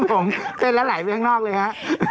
ผมเต้นแล้วไหลไปข้างนอกเลยฮะ